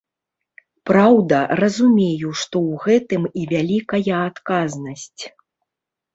Праўда, разумею, што ў гэтым і вялікая адказнасць.